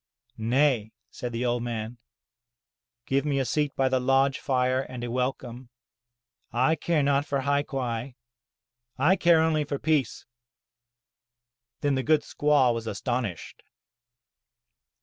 '* "Nay," said the old man. '*Give me a seat by the lodge fire and a welcome. I care not for hai quai, I care only for peace!" Then the good squaw was astonished.